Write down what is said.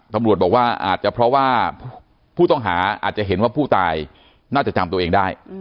ตำรวจบอกว่าอาจจะเพราะว่าผู้ต้องหาอาจจะเห็นว่าผู้ตายน่าจะจำตัวเองได้